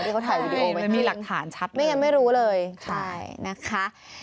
ที่เขาถ่ายวิดีโอไว้ที่นี่ไม่รู้เลยใช่นะคะ